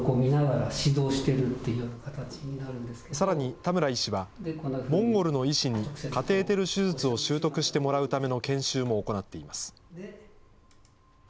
田村医師は、モンゴルの医師にカテーテル手術を習得してもらうための研修も行っています。